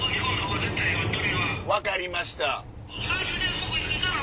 分かりました。